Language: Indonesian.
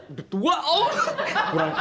udah tua om